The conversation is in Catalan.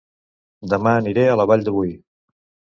Dema aniré a La Vall de Boí